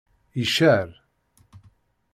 Iccer.